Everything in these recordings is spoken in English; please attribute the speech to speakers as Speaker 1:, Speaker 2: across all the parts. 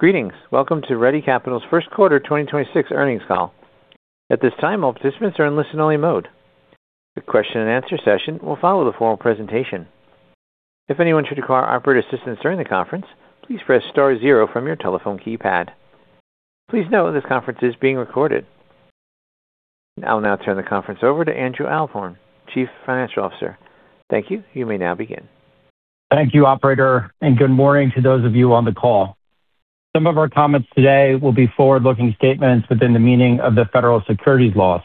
Speaker 1: Greetings. Welcome to Ready Capital's First Quarter 2026 Earnings Call. At this time, all participants are in listen-only mode. The question-and-answer session will follow the formal presentation. If anyone should require operator assistance during the conference, please press star zero from your telephone keypad. Please note this conference is being recorded. I'll now turn the conference over to Andrew Ahlborn, Chief Financial Officer. Thank you. You may now begin.
Speaker 2: Thank you, operator, and good morning to those of you on the call. Some of our comments today will be forward-looking statements within the meaning of the Federal Securities laws.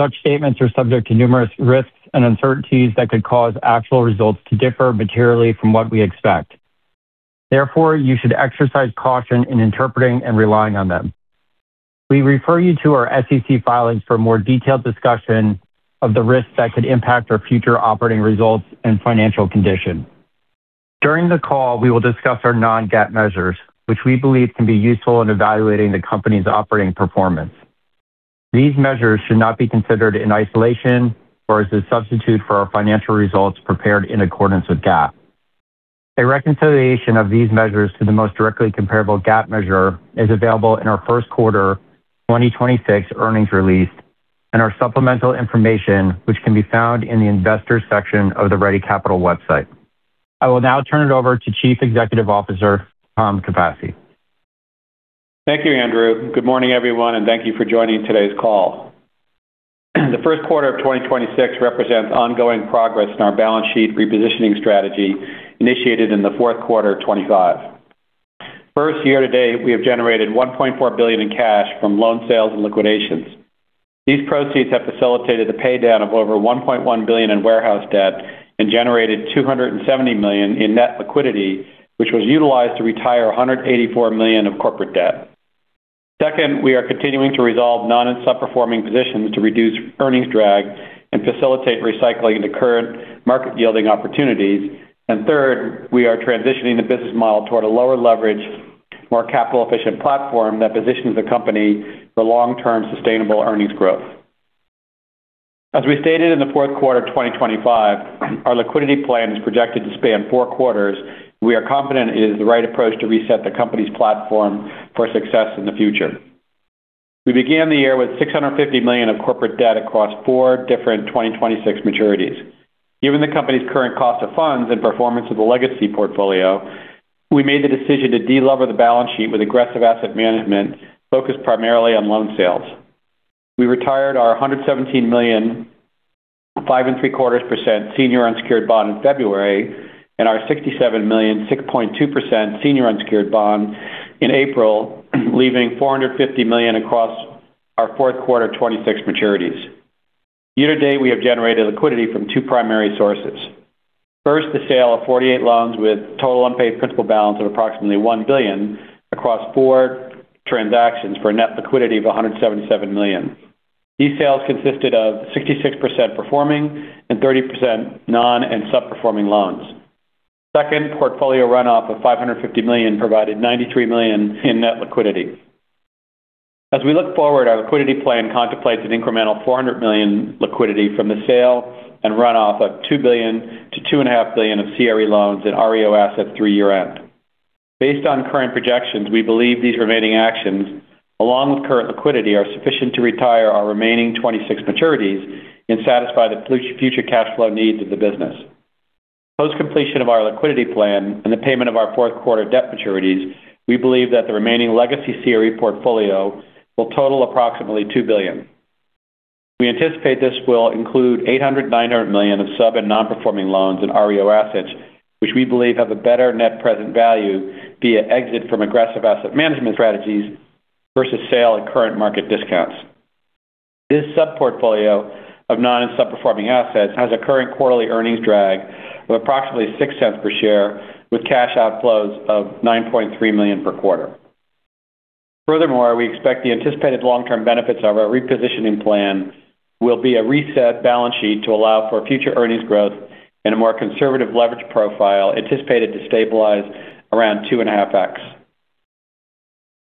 Speaker 2: Such statements are subject to numerous risks and uncertainties that could cause actual results to differ materially from what we expect. Therefore, you should exercise caution in interpreting and relying on them. We refer you to our SEC filings for more detailed discussion of the risks that could impact our future operating results and financial condition. During the call, we will discuss our non-GAAP measures, which we believe can be useful in evaluating the company's operating performance. These measures should not be considered in isolation or as a substitute for our financial results prepared in accordance with GAAP. A reconciliation of these measures to the most directly comparable GAAP measure is available in our first quarter 2026 earnings release and our supplemental information, which can be found in the Investors section of the Ready Capital website. I will now turn it over to Chief Executive Officer, Thomas Capasse.
Speaker 3: Thank you, Andrew. Good morning, everyone, and thank you for joining today's call. The first quarter of 2026 represents ongoing progress in our balance sheet repositioning strategy initiated in the fourth quarter of 2025. First, year to date, we have generated $1.4 billion in cash from loan sales and liquidations. These proceeds have facilitated the paydown of over $1.1 billion in warehouse debt and generated $270 million in net liquidity, which was utilized to retire $184 million of corporate debt. Second, we are continuing to resolve non- and sub-performing positions to reduce earnings drag and facilitate recycling into current market-yielding opportunities. Third, we are transitioning the business model toward a lower leverage, more capital-efficient platform that positions the company for long-term sustainable earnings growth. As we stated in the fourth quarter of 2025, our liquidity plan is projected to span four quarters. We are confident it is the right approach to reset the company's platform for success in the future. We began the year with $650 million of corporate debt across four different 2026 maturities. Given the company's current cost of funds and performance of the legacy portfolio, we made the decision to de-lever the balance sheet with aggressive asset management focused primarily on loan sales. We retired our $117 million, 5.75% senior unsecured bond in February and our $67 million, 6.2% senior unsecured bond in April, leaving $450 million across our fourth quarter 2026 maturities. Year to date, we have generated liquidity from two primary sources. First, the sale of 48 loans with total unpaid principal balance of approximately $1 billion across four transactions for a net liquidity of $177 million. These sales consisted of 66% performing and 30% non- and sub-performing loans. Second, portfolio runoff of $550 million provided $93 million in net liquidity. As we look forward, our liquidity plan contemplates an incremental $400 million liquidity from the sale and runoff of $2 billion-$2.5 billion of CRE loans and REO assets through year-end. Based on current projections, we believe these remaining actions, along with current liquidity, are sufficient to retire our remaining 2026 maturities and satisfy the future cash flow needs of the business. Post completion of our liquidity plan and the payment of our fourth quarter debt maturities, we believe that the remaining legacy CRE portfolio will total approximately $2 billion. We anticipate this will include $800 million to $900 million of sub- and non-performing loans and REO assets, which we believe have a better net present value via exit from aggressive asset management strategies versus sale at current market discounts. This sub-portfolio of non- and sub-performing assets has a current quarterly earnings drag of approximately $0.06 per share with cash outflows of $9.3 million per quarter. Furthermore, we expect the anticipated long-term benefits of our repositioning plan will be a reset balance sheet to allow for future earnings growth and a more conservative leverage profile anticipated to stabilize around 2.5x.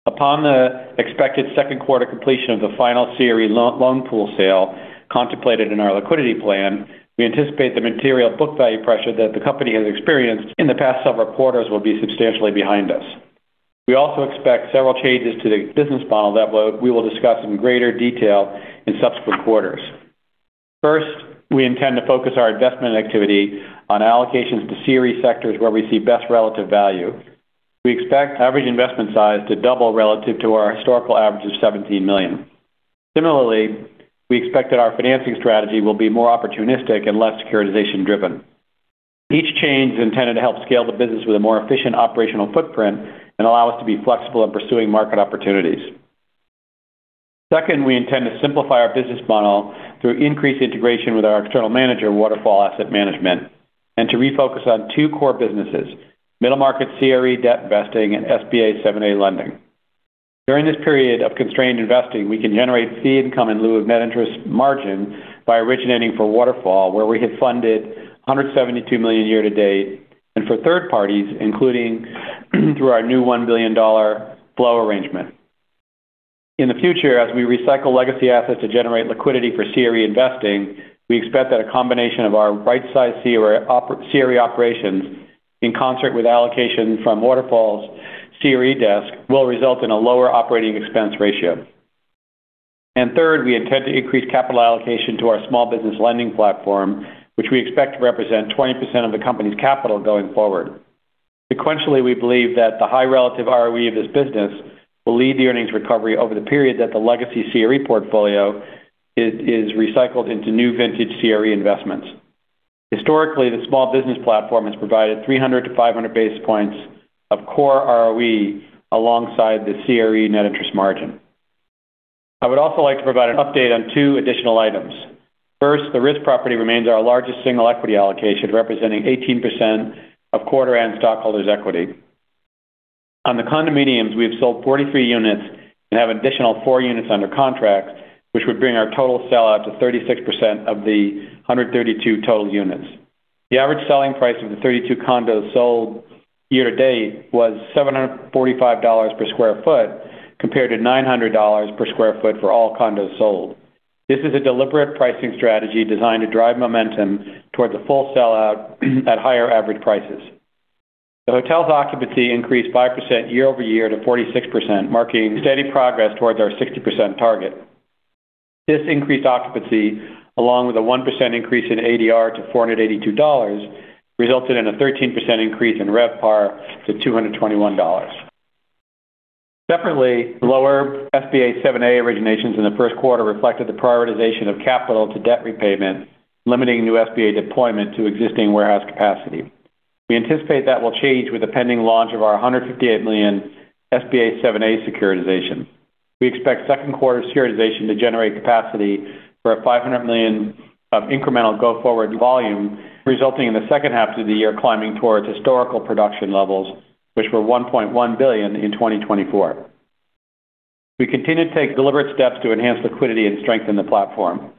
Speaker 3: Upon the expected second quarter completion of the final CRE loan pool sale contemplated in our liquidity plan, we anticipate the material book value pressure that the company has experienced in the past several quarters will be substantially behind us. We also expect several changes to the business model that we will discuss in greater detail in subsequent quarters. First, we intend to focus our investment activity on allocations to CRE sectors where we see best relative value. We expect average investment size to double relative to our historical average of $17 million. Similarly, we expect that our financing strategy will be more opportunistic and less securitization driven. Each change is intended to help scale the business with a more efficient operational footprint and allow us to be flexible in pursuing market opportunities. We intend to simplify our business model through increased integration with our external manager, Waterfall Asset Management, and to refocus on two core businesses, middle market CRE debt investing and SBA 7(a) lending. During this period of constrained investing, we can generate fee income in lieu of net interest margin by originating for Waterfall, where we have funded $172 million year to date, and for third parties, including through our new $1 billion flow arrangement. In the future, as we recycle legacy assets to generate liquidity for CRE investing, we expect that a combination of our right-sized CRE operations in concert with allocation from Waterfall's CRE desk will result in a lower operating expense ratio. We intend to increase capital allocation to our small business lending platform, which we expect to represent 20% of the company's capital going forward. Sequentially, we believe that the high relative ROE of this business will lead to earnings recovery over the period that the legacy CRE portfolio is recycled into new vintage CRE investments. Historically, the small business platform has provided 300 to 500 basis points of core ROE alongside the CRE net interest margin. I would also like to provide an update on two additional items. First, the St. Regis property remains our largest single equity allocation, representing 18% of quarter and stockholders' equity. On the condominiums, we have sold 43 units and have additional four units under contract, which would bring our total sellout to 36% of the 132 total units. The average selling price of the 32 condos sold year to date was $745 per square foot compared to $900 per square foot for all condos sold. This is a deliberate pricing strategy designed to drive momentum towards a full sellout at higher average prices. The hotel's occupancy increased 5% year-over-year to 46%, marking steady progress towards our 60% target. This increased occupancy, along with a 1% increase in ADR to $482, resulted in a 13% increase in RevPAR to $221. Separately, lower SBA 7 originations in the first quarter reflected the prioritization of capital to debt repayment, limiting new SBA deployment to existing warehouse capacity. We anticipate that will change with the pending launch of our $158 million SBA 7 securitization. We expect second quarter securitization to generate capacity for $500 million of incremental go-forward volume, resulting in the second half of the year climbing towards historical production levels, which were $1.1 billion in 2024. We continue to take deliberate steps to enhance liquidity and strengthen the platform.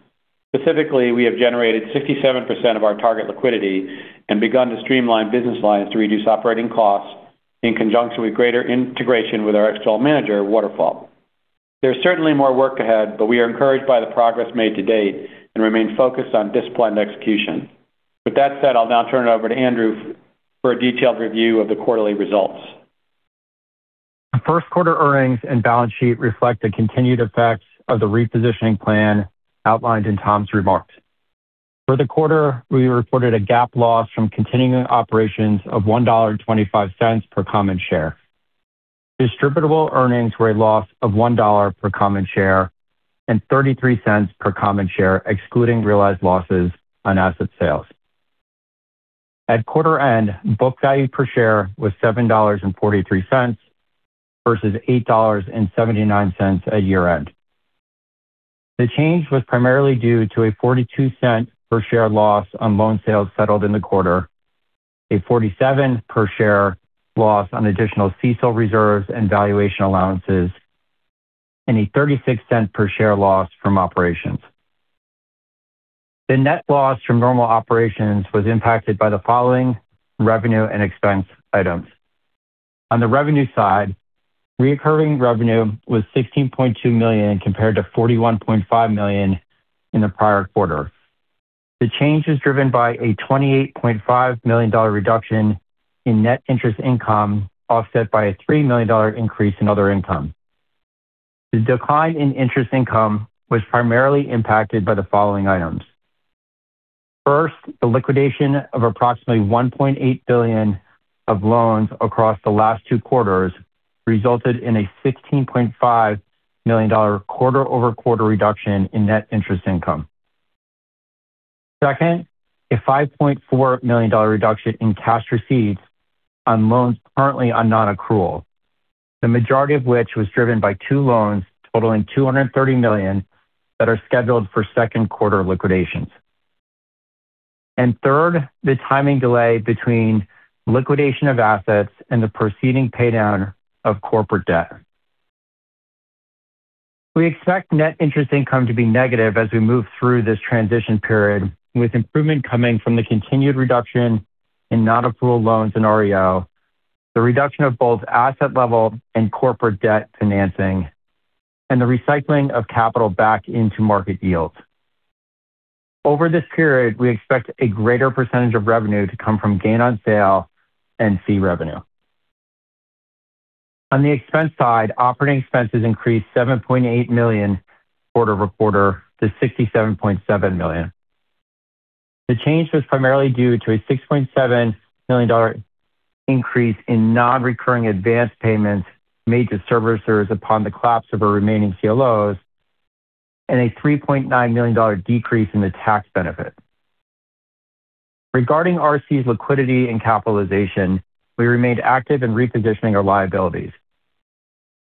Speaker 3: Specifically, we have generated 67% of our target liquidity and begun to streamline business lines to reduce operating costs in conjunction with greater integration with our external manager, Waterfall Asset Management. There's certainly more work ahead, but we are encouraged by the progress made to date and remain focused on disciplined execution. With that said, I'll now turn it over to Andrew Ahlborn for a detailed review of the quarterly results.
Speaker 2: The first quarter earnings and balance sheet reflect the continued effects of the repositioning plan outlined in Tom's remarks. For the quarter, we reported a GAAP loss from continuing operations of $1.25 per common share. Distributable earnings were a loss of $1.00 per common share and $0.33 per common share excluding realized losses on asset sales. At quarter end, book value per share was $7.43 versus $8.79 at year-end. The change was primarily due to a $0.42 per share loss on loan sales settled in the quarter, a $0.47 per share loss on additional CECL reserves and valuation allowances, and a $0.36 per share loss from operations. The net loss from normal operations was impacted by the following revenue and expense items. On the revenue side, reoccurring revenue was $16.2 million compared to $41.5 million in the prior quarter. The change is driven by a $28.5 million reduction in net interest income, offset by a $3 million increase in other income. The decline in interest income was primarily impacted by the following items. First, the liquidation of approximately $1.8 billion of loans across the last two quarters resulted in a $16.5 million quarter-over-quarter reduction in net interest income. Second, a $5.4 million reduction in cash receipts on loans currently on nonaccrual, the majority of which was driven by two loans totaling $230 million that are scheduled for second quarter liquidations. Third, the timing delay between liquidation of assets and the preceding paydown of corporate debt. We expect net interest income to be negative as we move through this transition period, with improvement coming from the continued reduction in nonaccrual loans and REO, the reduction of both asset level and corporate debt financing, and the recycling of capital back into market yields. Over this period, we expect a greater percentage of revenue to come from gain on sale and fee revenue. On the expense side, operating expenses increased $7.8 million quarter-over-quarter to $67.7 million. The change was primarily due to a $6.7 million increase in non-recurring advance payments made to servicers upon the collapse of our remaining CLOs and a $3.9 million decrease in the tax benefit. Regarding RC's liquidity and capitalization, we remained active in repositioning our liabilities.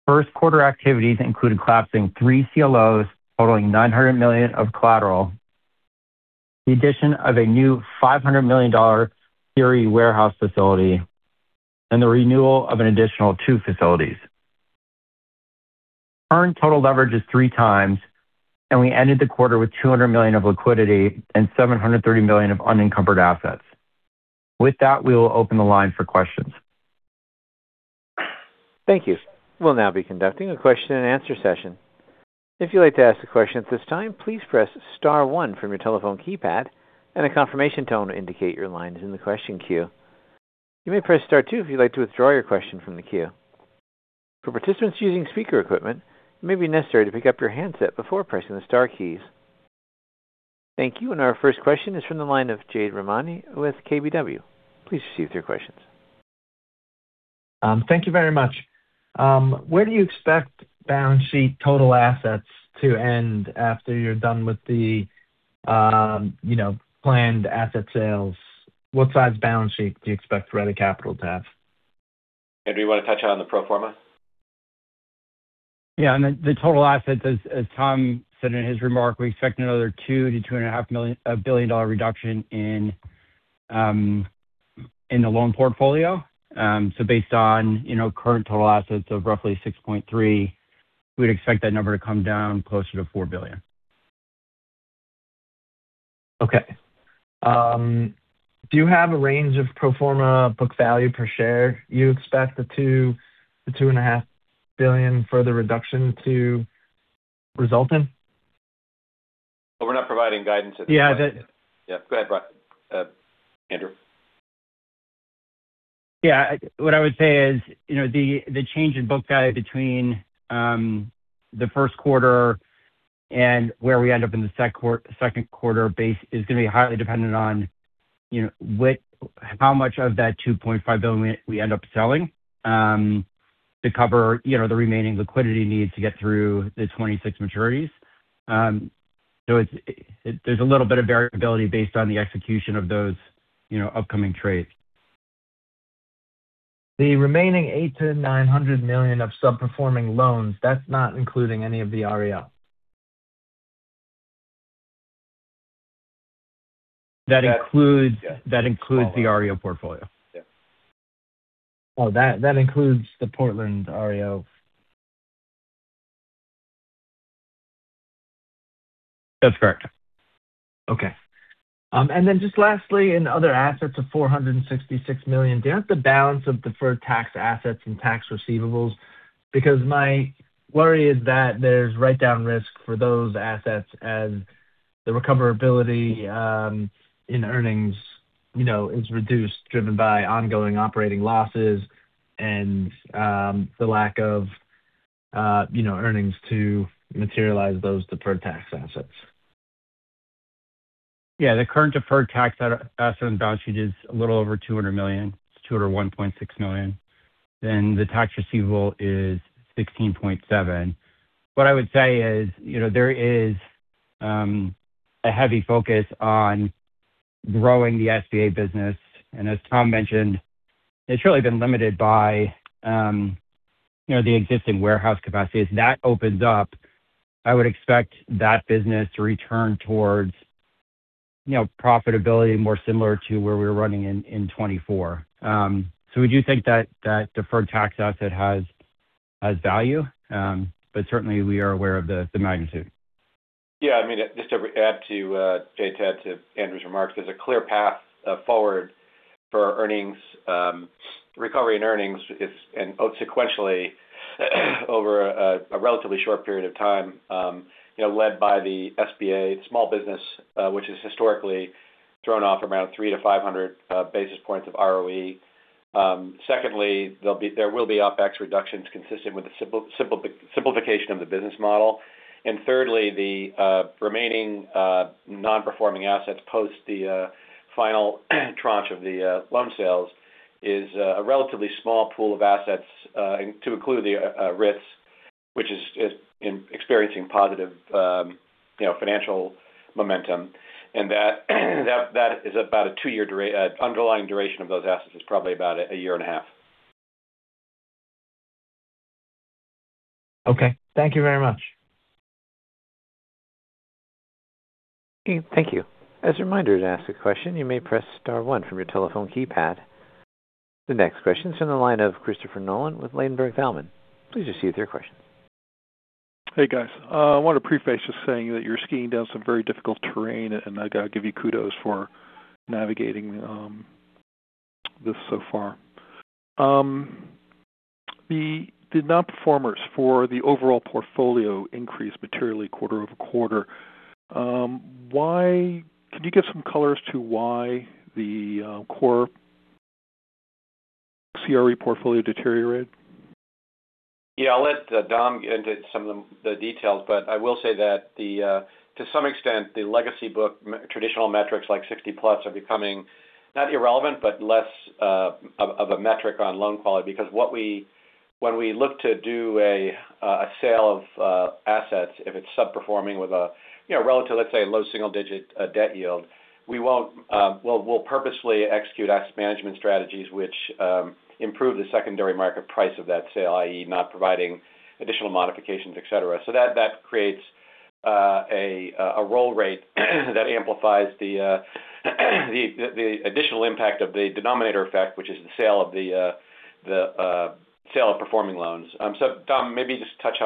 Speaker 2: First quarter activities included collapsing three CLOs totaling $900 million of collateral, the addition of a new $500 million CRE warehouse facility, and the renewal of an additional two facilities. Current total leverage is 3x. We ended the quarter with $200 million of liquidity and $730 million of unencumbered assets. With that, we will open the line for questions.
Speaker 1: Thank you. We'll now be conducting a question-and-answer session. If you'd like to ask a question at this time, please press star one from your telephone keypad, and a confirmation tone will indicate your line is in the question queue. You may press star two if you'd like to withdraw your question from the queue. For participants using speaker equipment, it may be necessary to pick up your handset before pressing the star keys. Thank you. Our first question is from the line of Jade Rahmani with KBW. Please proceed with your questions.
Speaker 4: Thank you very much. Where do you expect balance sheet total assets to end after you're done with the, you know, planned asset sales? What size balance sheet do you expect Ready Capital to have?
Speaker 3: Andrew, you wanna touch on the pro forma?
Speaker 2: Yeah. The total assets, as Tom said in his remark, we expect another $2 billion-$2.5 billion reduction in the loan portfolio. Based on, you know, current total assets of roughly $6.3 billion, we'd expect that number to come down closer to $4 billion.
Speaker 4: Okay. Do you have a range of pro forma book value per share you expect the $2 and a half billion further reduction to result in?
Speaker 3: Well, we're not providing guidance at this.
Speaker 4: Yeah.
Speaker 3: Yeah. Go ahead, Andrew.
Speaker 2: Yeah. What I would say is, you know, the change in book value between the first quarter and where we end up in the second quarter base is gonna be highly dependent on, you know, how much of that $2.5 billion we end up selling to cover, you know, the remaining liquidity needs to get through the 2026 maturities. There's a little bit of variability based on the execution of those, you know, upcoming trades.
Speaker 4: The remaining $800 million to $900 million of subperforming loans, that's not including any of the REO.
Speaker 2: That includes
Speaker 3: Yes. That includes the REO portfolio. Yeah.
Speaker 4: Oh, that includes the Portland REO?
Speaker 2: That's correct.
Speaker 4: Just lastly, in other assets of $466 million, do you have the balance of deferred tax assets and tax receivables? My worry is that there's write-down risk for those assets as the recoverability, in earnings, you know, is reduced, driven by ongoing operating losses and the lack of, you know, earnings to materialize those deferred tax assets.
Speaker 2: Yeah. The current deferred tax asset on the balance sheet is a little over $200 million. It's $201.6 million. The tax receivable is $16.7. What I would say is, you know, there is a heavy focus on growing the SBA business. As Tom mentioned, it's really been limited by, you know, the existing warehouse capacity. As that opens up, I would expect that business to return towards, you know, profitability more similar to where we were running in 2024. We do think that deferred tax asset has value, but certainly we are aware of the magnitude.
Speaker 3: Yeah. I mean, just to add to Andrew's remarks, there's a clear path forward for earnings recovery and earnings sequentially over a relatively short period of time, you know, led by the SBA small business, which has historically thrown off around 300-500 basis points of ROE. Secondly, there will be Opex reductions consistent with the simplification of the business model. Thirdly, the remaining non-performing assets post the final tranche of the loan sales is a relatively small pool of assets to include the RISC, which is experiencing positive, you know, financial momentum. That is about a two year underlying duration of those assets is probably about a year and a half.
Speaker 4: Okay. Thank you very much.
Speaker 1: Okay. Thank you. As a reminder, to ask a question, you may press star one from your telephone keypad. The next question is from the line of Christopher Nolan with Ladenburg Thalmann. Please proceed with your question.
Speaker 5: Hey, guys. I wanna preface just saying that you're skiing down some very difficult terrain, and I gotta give you kudos for navigating this so far. The non-performers for the overall portfolio increased materially quarter-over-quarter. Can you give some color as to why the core CRE portfolio deteriorated?
Speaker 3: Yeah. I'll let Dom get into some of the details, but I will say that the to some extent, the legacy book traditional metrics, like 60+, are becoming not irrelevant, but less of a metric on loan quality because when we look to do a sale of assets, if it's subperforming with a, you know, relative, let's say, low single-digit debt yield, we won't, we'll purposely execute asset management strategies which improve the secondary market price of that sale, i.e., not providing additional modifications, et cetera. That creates a roll rate that amplifies the additional impact of the denominator effect, which is the sale of the sale of performing loans. Dom, maybe just touch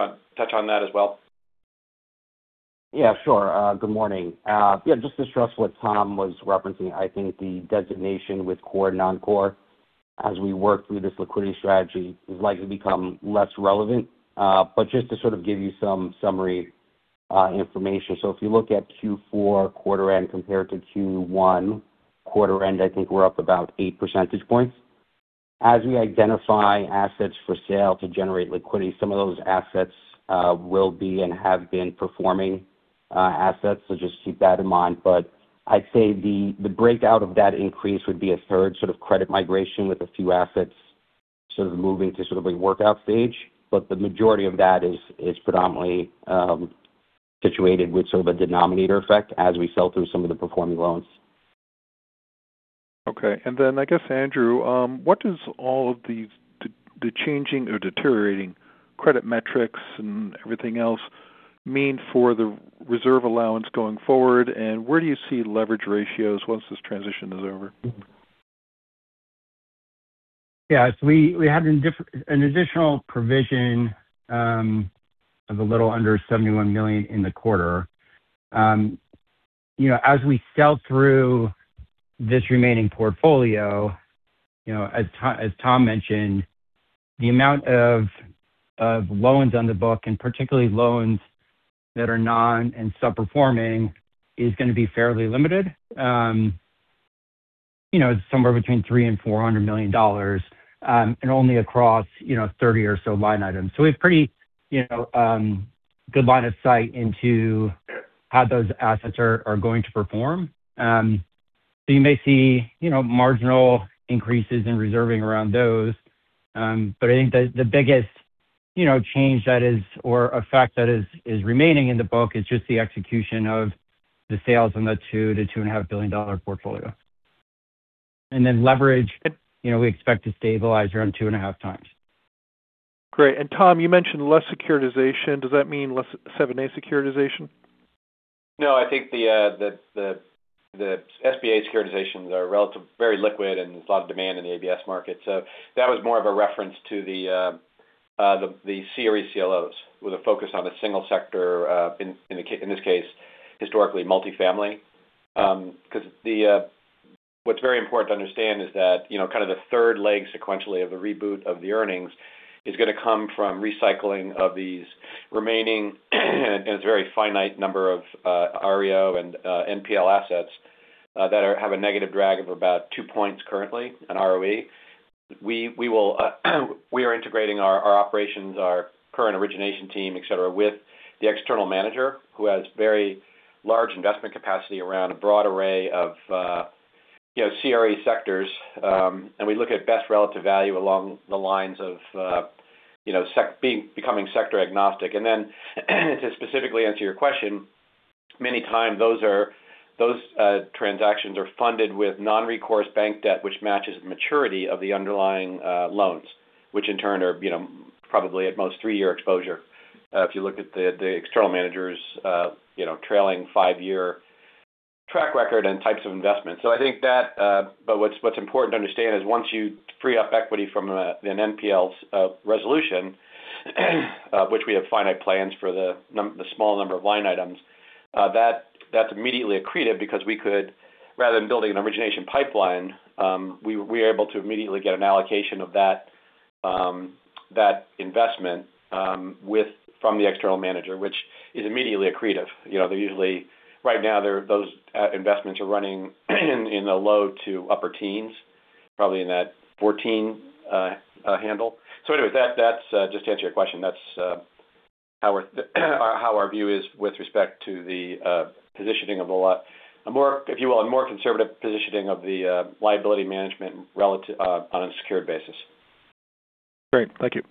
Speaker 3: on that as well.
Speaker 6: Sure. Good morning. Just to stress what Tom was referencing, I think the designation with core and non-core as we work through this liquidity strategy is likely to become less relevant. Just to sort of give you some summary information. If you look at Q4 quarter end compared to Q1 quarter end, I think we're up about eight percentage points. As we identify assets for sale to generate liquidity, some of those assets will be and have been performing assets, just keep that in mind. I'd say the breakout of that increase would be a third sort of credit migration with a few assets sort of moving to sort of a workout stage. The majority of that is predominantly situated with sort of a denominator effect as we sell through some of the performing loans.
Speaker 5: Okay. I guess, Andrew Ahlborn, what does all of the changing or deteriorating credit metrics and everything else mean for the reserve allowance going forward, and where do you see leverage ratios once this transition is over?
Speaker 2: Yeah. We had an additional provision of a little under $71 million in the quarter. You know, as we sell through this remaining portfolio, you know, as Tom mentioned, the amount of loans on the book, and particularly loans that are non- and sub-performing is going to be fairly limited. You know, somewhere between $300 million and $400 million, and only across, you know, 30 or so line items. We have pretty, you know, good line of sight into how those assets are going to perform. You may see, you know, marginal increases in reserving around those. I think the biggest, you know, change that is or effect that is remaining in the book is just the execution of the sales on the $2 billion-$2.5 billion portfolio. Leverage, you know, we expect to stabilize around 2.5x.
Speaker 5: Great. Tom, you mentioned less securitization. Does that mean less 7(a) securitization?
Speaker 3: No, I think the SBA securitizations are very liquid, and there's a lot of demand in the ABS market. That was more of a reference to the CRE CLOs with a focus on the single sector, in this case, historically multifamily. 'Cause what's very important to understand is that, you know, kind of the third leg sequentially of the reboot of the earnings is gonna come from recycling of these remaining and it's very finite number of REO and NPL assets that have a negative drag of about two points currently on ROE. We will, we are integrating our operations, our current origination team, et cetera, with the external manager who has very large investment capacity around a broad array of, you know, CRE sectors, and we look at best relative value along the lines of, you know, becoming sector agnostic. Then to specifically answer your question, many times those transactions are funded with non-recourse bank debt which matches maturity of the underlying loans, which in turn are, you know, probably at most three-year exposure, if you look at the external managers, you know, trailing five-year track record and types of investments. I think that, but what's important to understand is once you free up equity from an NPLs resolution, which we have finite plans for the small number of line items, that's immediately accretive because we could, rather than building an origination pipeline, we are able to immediately get an allocation of that investment from the external manager, which is immediately accretive. You know, right now they're those investments are running in the low to upper teens, probably in that 14 handle. Anyways, that's just to answer your question, that's how our view is with respect to the positioning of a more, if you will, a more conservative positioning of the liability management relative on a secured basis.
Speaker 5: Great. Thank you.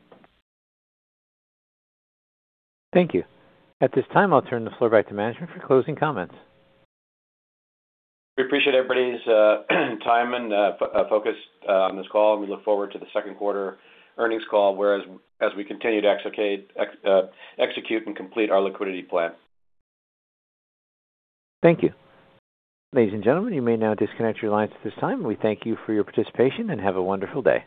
Speaker 1: Thank you. At this time, I'll turn the floor back to management for closing comments.
Speaker 3: We appreciate everybody's time and focus on this call, and we look forward to the second quarter earnings call, whereas as we continue to execute and complete our liquidity plan.
Speaker 1: Thank you. Ladies and gentlemen, you may now disconnect your lines at this time. We thank you for your participation, and have a wonderful day.